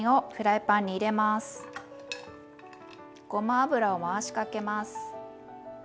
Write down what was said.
ごま油を回しかけます。